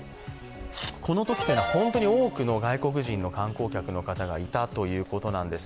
このときというのは本当に多くの外国人の観光客の方がいたということなんです。